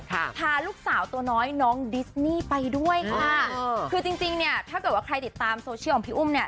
พาลูกสาวตัวน้อยน้องดิสนี่ไปด้วยค่ะคือจริงจริงเนี้ยถ้าเกิดว่าใครติดตามโซเชียลของพี่อุ้มเนี่ย